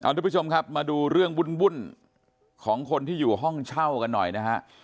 ทุกผู้ชมครับมาดูเรื่องวุ่นของคนที่อยู่ห้องเช่ากันหน่อยนะฮะ